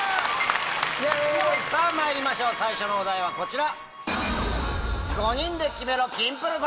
さぁまいりましょう最初のお題はこちら！